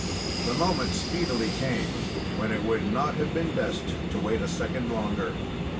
The moment speedily came when it would not have been best to wait a second longer.